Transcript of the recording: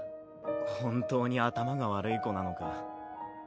本当に頭が悪い子なのか。